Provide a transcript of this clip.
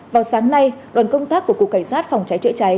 vào sáng nay đoàn công tác của cục cảnh sát phòng cháy chữa cháy